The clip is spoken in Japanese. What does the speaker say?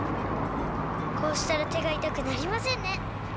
こうしたらてがいたくなりませんね！